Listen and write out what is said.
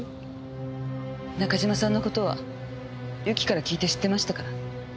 中島さんの事は由紀から聞いて知ってましたから。